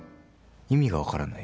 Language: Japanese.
意味が分からない。